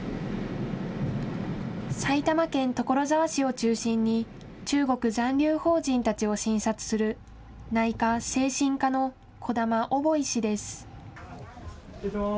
埼玉県所沢市を中心に中国残留邦人たちを診察する内科・精神科の児玉奥博医師です。